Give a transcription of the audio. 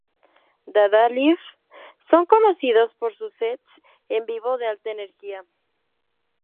Dada Life son conocidos por sus sets en vivo de alta energía.